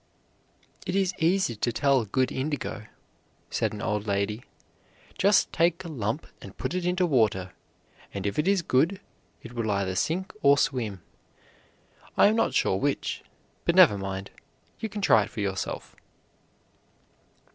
"It is easy to tell good indigo," said an old lady. "Just take a lump and put it into water, and if it is good, it will either sink or swim, I am not sure which; but never mind, you can try it for yourself."